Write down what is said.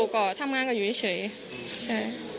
ก็อยู่เฉยใช่